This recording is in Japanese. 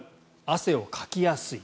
汗をかきやすい。